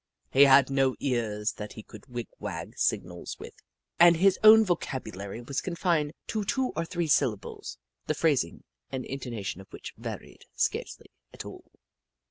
He had no ears that he could wig wag signals with, and his own vocabu lary was confined to two or three syllables, the phrasing and intonation of which varied scarcely at all.